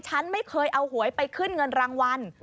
ฉันไม่เคยเอาหวยไปขึ้นเงินรางวัล